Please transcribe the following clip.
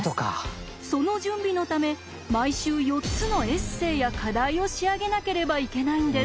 その準備のため毎週４つのエッセイや課題を仕上げなければいけないんです。